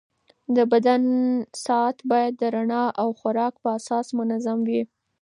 د بدن ساعت باید د رڼا او خوراک په اساس منظم وي.